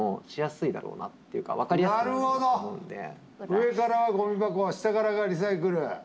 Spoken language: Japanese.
上からはゴミ箱下からがリサイクル。